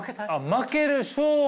負ける勝敗。